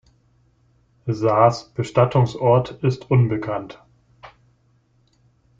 Sas Bestattungsort ist unbekannt.